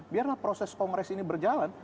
biarlah proses kongres ini berjalan